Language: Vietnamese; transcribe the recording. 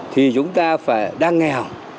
thì chúng ta phải đang nghèo